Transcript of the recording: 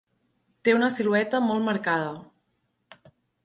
Té una silueta molt marcada.